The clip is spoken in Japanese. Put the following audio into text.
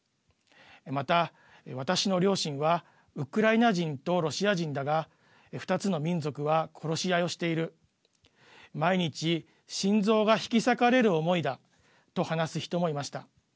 また、私の両親はウクライナ人とロシア人だが２つの民族は殺し合いをしている毎日心臓が引き裂かれる思いだ。と話す人もいました。